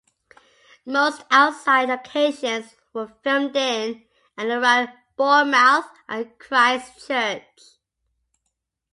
Most outside locations were filmed in and around Bournemouth and Christchurch.